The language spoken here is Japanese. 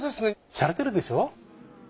しゃれてるでしょ。